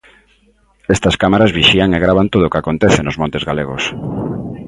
Estas cámaras vixían e gravan todo o que acontece nos montes galegos.